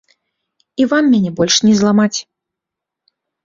І вам мяне больш не зламаць.